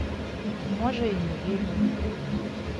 Можа, і не вельмі.